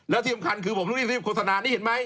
แล้วที่สำคัญคือผมต้องรีบโฆษณานี่เห็นไหม